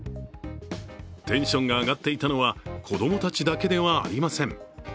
テンションが上がっていたのは、子供たちだけではありません。